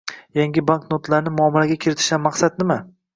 Yangi banknotalarni muomalaga kiritishdan maqsad nima?